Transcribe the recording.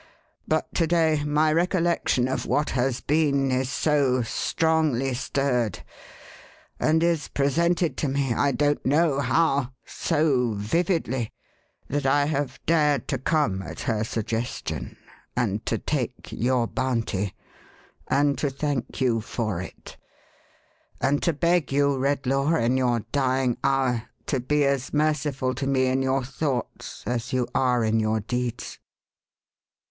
But to day, my recollection of what has been is so strongly stirred, and is presented to me, I don't know how, so vividly, that I have dared to come at her suggestion, and to take your bounty, and to thank you for it, and to beg you, Redlaw, in your dying hour, to be as merciful to me in your thoughts, as you are in your deeds.